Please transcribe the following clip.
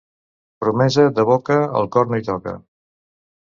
Promesa de boca, el cor no hi toca.